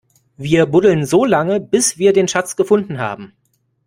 Wir buddeln so lange, bis wir den Schatz gefunden haben!